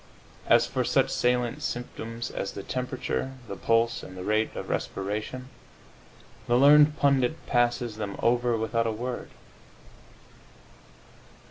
As for such salient symptoms as the temperature, the pulse and the rate of respiration, the learned pundit passes them over without a word.